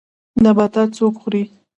نباتات څوک خوري